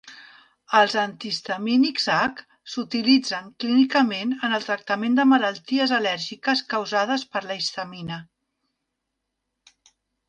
Els antihistamínics H s'utilitzen clínicament en el tractament de malalties al·lèrgiques causades per la histamina.